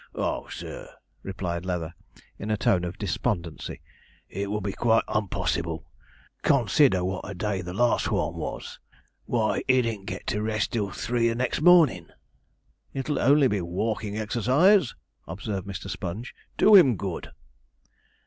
'Oh, sur,' replied Leather, in a tone of despondency, 'it would be quite unpossible. Consider wot a day the last one was; why, he didn't get to rest till three the next mornin'.' 'It'll only be walking exercise,' observed Mr. Sponge; 'do him good.'